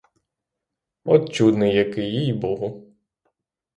От чудний який, їй-богу!